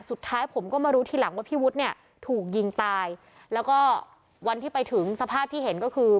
สุดท้ายผมก็มารู้ทีหลังว่าพี่วุฒิเนี่ยถูกยิงตายแล้วก็วันที่ไปถึงสภาพที่เห็นก็คือ